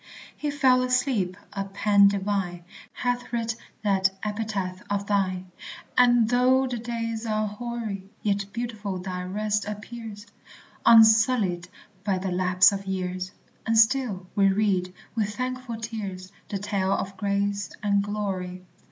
"He fell asleep." A pen divine Hath writ that epitaph of thine; And though the days are hoary, Yet beautiful thy rest appears Unsullied by the lapse of years And still we read, with thankful tears, The tale of grace and glory.